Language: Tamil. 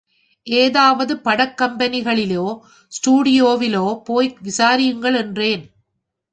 ஏதாவது படக் கம்பெனிகளிலோ, ஸ்டுடியோவிலோ போய் விசாரியுங்கள் என்றேன்.